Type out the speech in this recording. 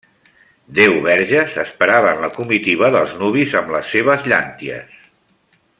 Deu verges esperaven la comitiva dels nuvis amb les seves llànties.